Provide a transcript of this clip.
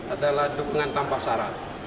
adalah dukungan tanpa saran